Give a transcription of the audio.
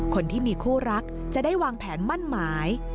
คนที่มีคู่รักจะได้วางแผนมั่นหมาย